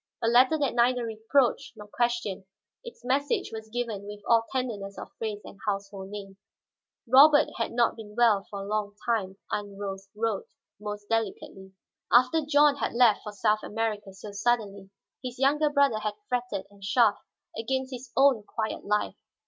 A letter that neither reproached nor questioned, its message was given with all tenderness of phrase and household name. Robert had not been well for a long time, Aunt Rose wrote most delicately. After John had left for South America so suddenly, his younger brother had fretted and chafed against his own quiet life.